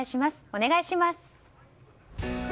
お願いします。